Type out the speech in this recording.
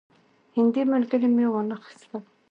هندي ملګري مې وانه خیستل.